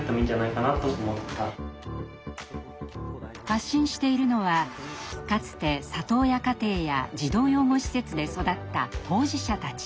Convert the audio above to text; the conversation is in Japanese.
発信しているのはかつて里親家庭や児童養護施設で育った当事者たち。